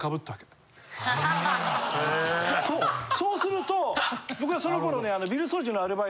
そうすると僕はその頃ね。